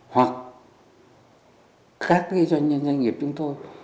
hoặc các cái doanh nhân doanh nghiệp chúng tôi